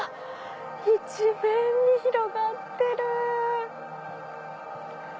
一面に広がってる！